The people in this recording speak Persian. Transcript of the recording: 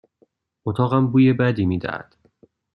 اتاقم بوی بدی می دهد.